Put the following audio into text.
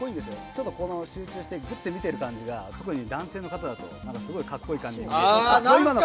ちょっと集中してぐって見ている感じが特に男性の方だとすごい格好いいです。